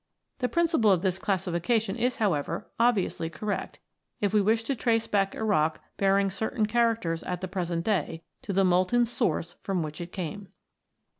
The principle of this classification is, however, obviously correct, if we wish to trace back a rock bearing certain characters at the present day to the molten source from which it came.